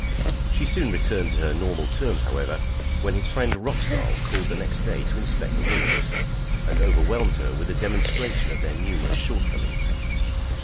She soon returned to her normal terms, however, when his friend Roxdal called the next day to inspect the rooms, and overwhelmed her with a demonstration of their numerous shortcomings.